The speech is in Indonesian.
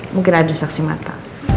mungkin ada saksi mata